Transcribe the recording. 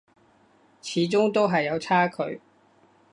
始終都係有差距